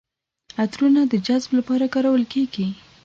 عطرونه د جذب لپاره کارول کیږي.